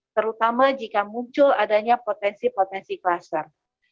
terutama jika muncul adanya potensi potensi kluster